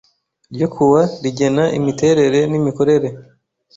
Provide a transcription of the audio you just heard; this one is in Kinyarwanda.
ryo ku wa rigena imiterere n imikorere